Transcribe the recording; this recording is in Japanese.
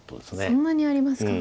そんなにありますか。